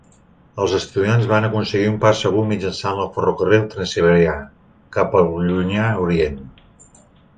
Els estudiants van aconseguir un pas segur mitjançant el ferrocarril Transsiberià, cap al Llunyà Orient.